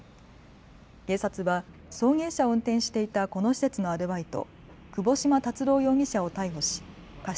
警察は送迎車を運転していたこの施設のアルバイト、窪島達郎容疑者を逮捕し過失